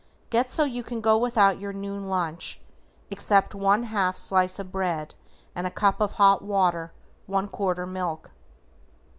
Get so you can go without your noon lunch except one half slice of bread and a cup of hot water one quarter milk.